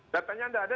datanya tidak ada